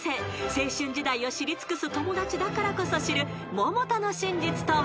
［青春時代を知り尽くす友達だからこそ知る百田の真実とは？］